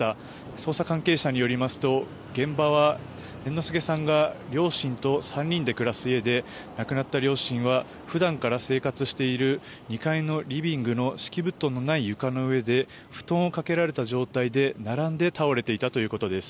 捜査関係者によりますと、現場は猿之助さんが両親と３人で暮らす家で亡くなった両親は、普段から生活している２階のリビングの敷き布団のない床の上で布団をかけられた状態で並んで倒れていたということです。